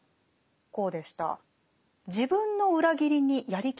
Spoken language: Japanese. こうでした。